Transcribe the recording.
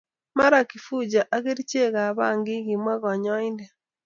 Mara Kifuja ak kerichekab bangi kimwa konyoindet